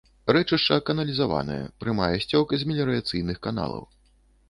Рэчышча каналізаванае, прымае сцёк з меліярацыйных каналаў.